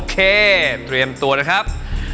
เตรียมตัวนะครับ